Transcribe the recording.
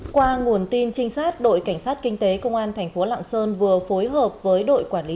qua nguồn tin trinh sát đội cảnh sát kinh tế công an thành phố lạng sơn vừa phối hợp với đội quản lý